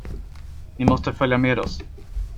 Ni måste följa med oss.